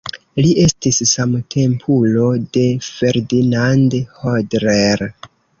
Li estis samtempulo de Ferdinand Hodler.